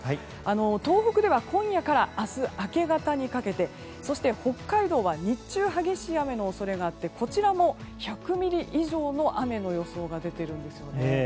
東北では今夜から明日明け方にかけてそして北海道は日中、激しい雨の恐れがあってこちらも１００ミリ以上の雨の予想が出ているんですよね。